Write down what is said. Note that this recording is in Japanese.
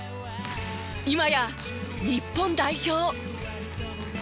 今や日本代表。